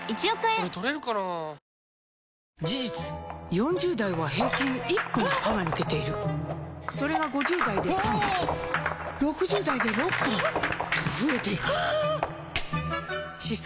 ４０代は平均１本歯が抜けているそれが５０代で３本６０代で６本と増えていく歯槽